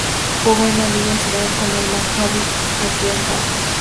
Jugó en la liga Israel con el Maccabi Kiryat Gat.